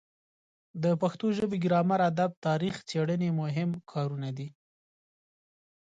د پښتو ژبې ګرامر ادب تاریخ څیړنې مهم کارونه دي.